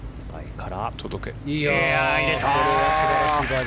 入れた！